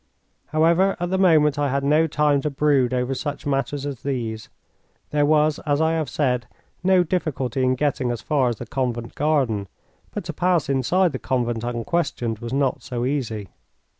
However, at the moment I had no time to brood over such matters as these. There was, as I have said, no difficulty in getting as far as the convent garden, but to pass inside the convent unquestioned was not so easy.